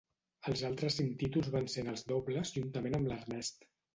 Els altres cinc títols van ser en els dobles juntament amb Ernest.